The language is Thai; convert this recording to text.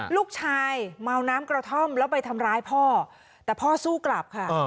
ลูกชายเมาน้ำกระท่อมแล้วไปทำร้ายพ่อแต่พ่อสู้กลับค่ะ